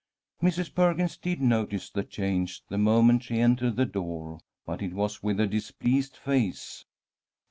Mrs. Perkins did notice the change the moment she entered the door, but it was with a displeased face.